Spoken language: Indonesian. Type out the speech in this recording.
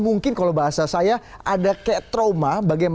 mungkin kalau bahasa saya ada kayak trauma